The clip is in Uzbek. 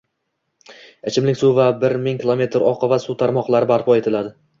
ichimlik suvi va bir ming kilometr oqova suv tarmoqlari barpo etiladi.